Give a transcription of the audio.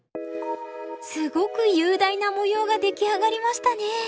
すごく雄大な模様が出来上がりましたね。